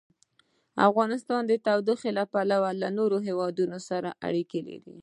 افغانستان د تودوخه له پلوه له نورو هېوادونو سره اړیکې لري.